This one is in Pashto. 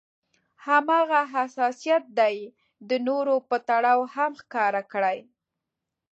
هماغه حساسيت دې د نورو په تړاو هم ښکاره کړي.